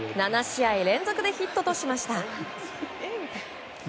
７試合連続でヒットとしました。